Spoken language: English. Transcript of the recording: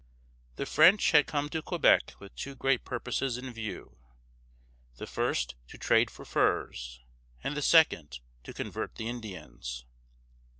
The French had come to Quebec with two great purposes in view: the first, to trade for furs, and the second, to convert the Indians.